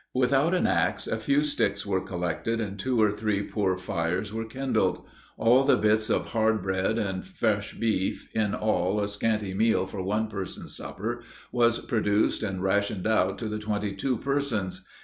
Without an axe, a few sticks were collected, and two or three poor fires were kindled. All the bits of hard bread, and fresh beef, in all a scanty meal for one person's supper, was produced and rationed out to the twenty two persons.